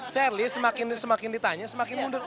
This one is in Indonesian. shirley semakin ditanya semakin mundur